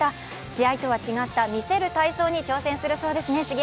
試合とは違った見せる体操に挑戦するそうですね。